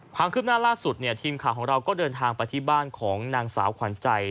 ความคืบหน้าล่าสุดเนี่ยทีมข่าวของเราก็เดินทางไปที่บ้านของนางสาวขวัญใจ